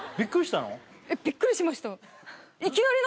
びっくりしました